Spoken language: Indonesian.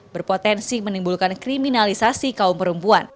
berpotensi menimbulkan kriminalisasi kaum perempuan